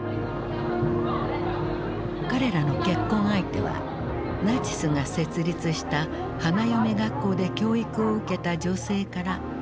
彼らの結婚相手はナチスが設立した花嫁学校で教育を受けた女性から選ばれた。